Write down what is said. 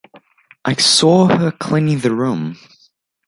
I saw her cleaning the room.